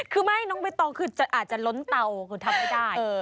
คือให้น้องไปตอบเข้าคืออาจจะล้นเตาทำไม่ได้